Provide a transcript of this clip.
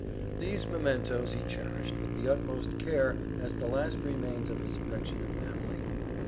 These mementoes he cherished with the utmost care as the last remains of his affectionate family.